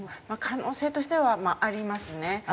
可能性としてはありますね。